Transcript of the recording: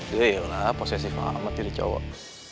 dia yaudah lah posesif banget jadi cowok